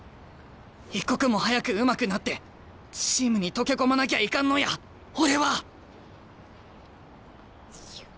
一刻も早くうまくなってチームに溶け込まなきゃいかんのや俺は！